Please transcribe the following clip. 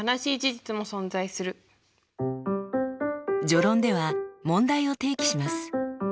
序論では問題を提起します。